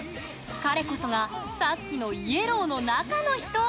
彼こそがさっきのイエローの中の人！